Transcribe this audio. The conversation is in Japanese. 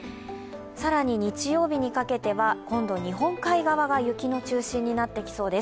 更に日曜日にかけては今度日本海側が雪の中心になってきそうです。